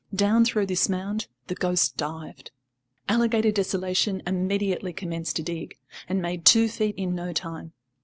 Down through this mound the ghost dived. Alligator Desolation immediately commenced to dig, and made two feet in no time.